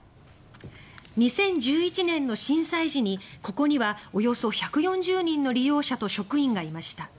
２０１１年の震災時にここには、およそ１４０人の利用者と職員がいました。